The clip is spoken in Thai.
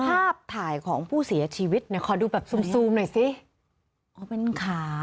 ภาพถ่ายของผู้เสียชีวิตเนี่ยขอดูแบบซูมซูมหน่อยสิอ๋อเป็นขา